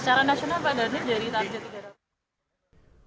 secara nasional pak dari target udara